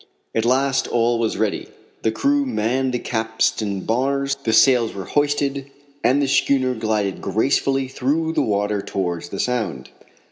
At last all was ready, the crew manned the capstan bars, the sails were hoisted, and the schooner glided gracefully through the water towards the Sound.